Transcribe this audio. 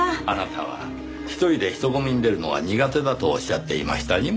あなたは１人で人混みに出るのは苦手だとおっしゃっていました。